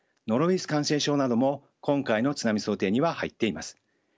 ノロウイルス感染症なども今回の津波想定には入っています。